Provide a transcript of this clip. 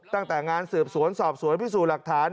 งานสืบสวนสอบสวนพิสูจน์หลักฐาน